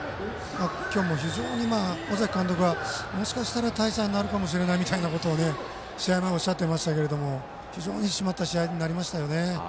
尾崎監督は、もしかしたら大差になるかもしれないと試合前におっしゃっていましたが非常に締まった試合になりました。